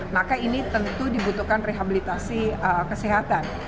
maka ini tentu dibutuhkan rehabilitasi kesehatan